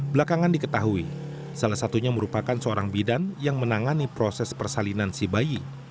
belakangan diketahui salah satunya merupakan seorang bidan yang menangani proses persalinan si bayi